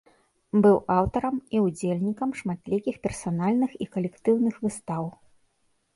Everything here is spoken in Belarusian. Быў аўтарам і ўдзельнікам шматлікіх персанальных і калектыўных выстаў.